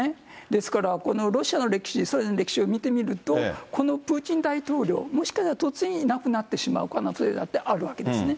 ですから、このロシアの歴史、ソ連の歴史を見てみると、このプーチン大統領、もしかしたら突然いなくなってしまうおそれだってあるわけですね。